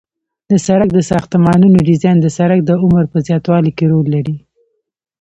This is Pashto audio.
د سرک د ساختمانونو ډیزاین د سرک د عمر په زیاتوالي کې رول لري